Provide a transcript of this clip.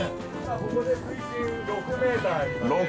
◆ここで水深６メーターあります。